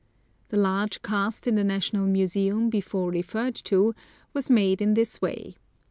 The large cast in the National Museum, before referred to, was made in this way.